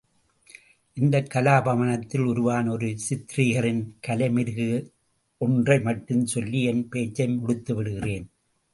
இந்தக் கலாபவனத்தில் உருவான ஒரு சித்ரீகரின் கலை மெருகு ஒன்றை மட்டும் சொல்லி என் பேச்சை முடித்துவிடுகிறேன்.